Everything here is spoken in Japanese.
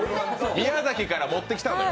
宮崎から持ってきたのよ。